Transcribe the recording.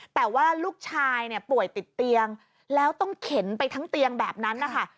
แต่ว่าลูกชายเนี่ยป่วยติดเตียงแล้วต้องเข็นไปทั้งเตียงแบบนั้นนะคะ